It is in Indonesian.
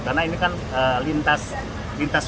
karena ini kan lintas